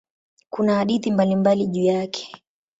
Kuna hadithi mbalimbali juu yake.